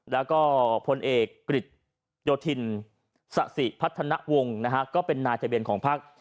แล้วก็พลเอกกฤษโยธินสะสิพัฒนวงศ์นะฮะก็เป็นนายทะเบียนของพัก